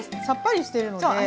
さっぱりしてるので。